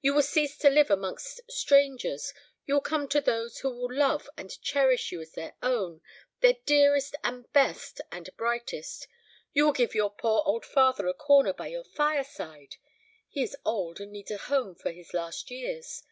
You will cease to live amongst strangers? You will come to those who will love and cherish you as their own, their dearest and best and brightest? You will give your poor old father a corner by your fireside? He is old and needs a home for his last years.